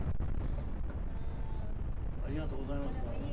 ありがとうございますどうも。